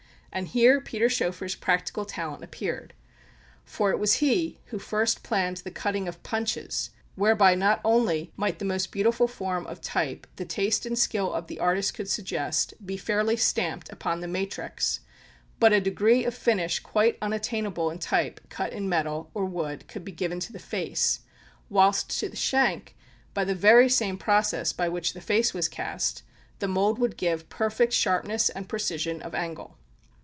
And here Peter Schoeffer's practical talent appeared; for "it was he who first planned the cutting of punches, whereby not only might the most beautiful form of type the taste and skill of the artist could suggest, be fairly stamped upon the matrix, but a degree of finish quite unattainable in type cut in metal or wood could be given to the face; whilst to the shank, by the very same process by which the face was cast, the mould would give perfect sharpness and precision of angle."